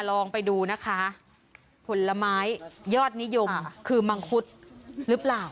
ลองไปดูนะคะผลไม้ยอดนิยมคือมังคุดหรือเปล่า